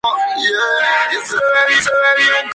Fue obtenido de la Mina Mammoth-St.